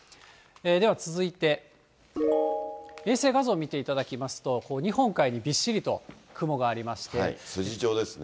では続いて、衛星画像を見ていただきますと、日本海にびっしりと雲がありまし筋状ですね。